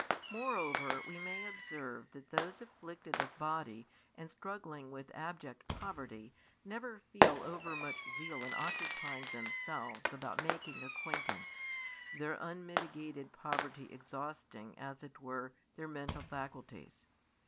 Moreover we may observe that those afflicted of body and struggling with abject poverty never feel overmuch zeal in occupying themselves about making acquaintance, their unmitigated poverty exhausting as it were their mental faculties.